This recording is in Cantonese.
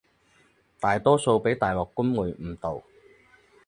大多數畀大陸官媒誤導